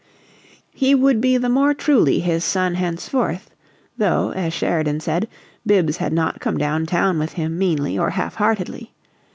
He would be the more truly his son henceforth, though, as Sheridan said, Bibbs had not come down town with him meanly or half heartedly.